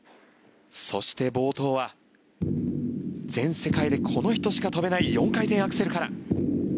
そして、冒頭は全世界でこの人しか跳べない４回転アクセルから。